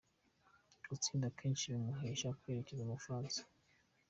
Gutsinda kenshi bimuhesheje kwerekeza mu Bufaransa.